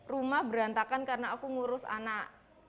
rumah berantakan karena aku ngurus anak